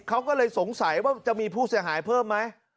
เขาก็เลยสงสัยว่าจะมีผู้เสียหายเพิ่มไหม